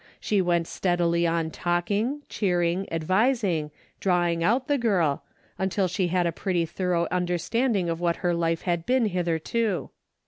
She went steadily on talking, cheering, advising, drawing out the girl, until she had a pretty thorough un derstanding of what her life had been hitherto.